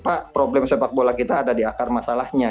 pak problem sepak bola kita ada di akar masalahnya